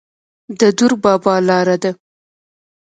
د دور بابا لاره ده